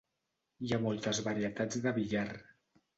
Hi ha moltes varietats de billar.